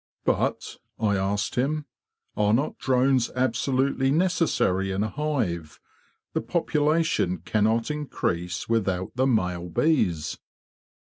'* But," I asked him, '' are not drones absolutely necessary in a hive? The population cannot increase without the male bees.